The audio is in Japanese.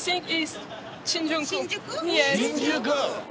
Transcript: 新宿！